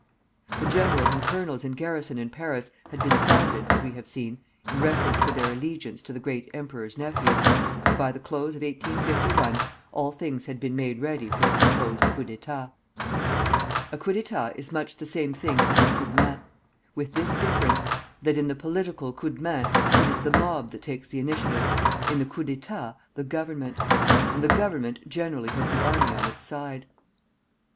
] The generals and colonels in garrison in Paris had been sounded, as we have seen, in reference to their allegiance to the Great Emperor's nephew, and by the close of 1851 all things had been made ready for the proposed coup d'état. A coup d'état is much the same thing as a coup de main, with this difference, that in the political coup de main it is the mob that takes the initiative, in the coup d'état the Government; and the Government generally has the army on its side.